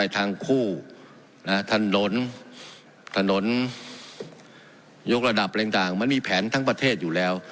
ทานล้นหวยกฎระดับต่างมันไม่มีแผนทั้งประเทศอยู่แล้ว